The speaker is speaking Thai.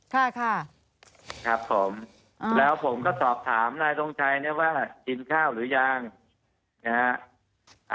ค่ะค่ะครับผมแล้วผมก็สอบถามนายทรงชัยเนี่ยว่ากินข้าวหรือยังนะฮะ